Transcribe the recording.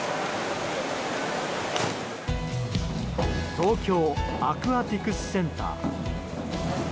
東京アクアティクスセンター。